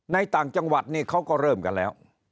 ต่างจังหวัดนี่เขาก็เริ่มกันแล้ว